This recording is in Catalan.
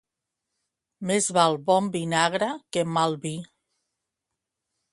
Més val bon vinagre que mal vi.